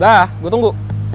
dah gue tunggu